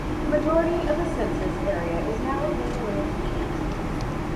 The majority of the census area is now within the limits of Kent.